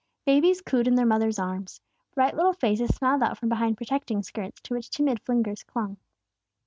Babies cooed in their mother's arms. Bright little faces smiled out from behind protecting skirts, to which timid fingers clung.